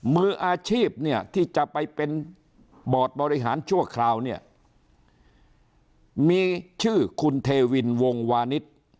มืออาชีพเนี่ยที่จะไปเป็นบอร์ดบริหารชั่วคราวเนี่ยมีชื่อคุณเทวินวงวานิส